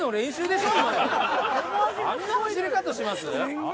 あんな走り方します？